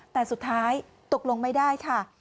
แต่สุดท้ายตกลงไม่ได้ค่ะ